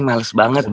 nih males banget